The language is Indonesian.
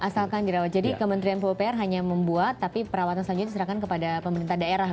asalkan dirawat jadi kementerian pupr hanya membuat tapi perawatan selanjutnya diserahkan kepada pemerintah daerah